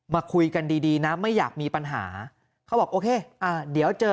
มาคุยกันดีดีนะไม่อยากมีปัญหาเขาบอกโอเคอ่าเดี๋ยวเจอ